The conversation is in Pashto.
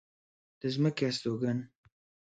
د ځمکې استوگن